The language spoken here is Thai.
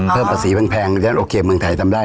เพื่อภาษีแพงแต่โอเคเมืองไทยทำได้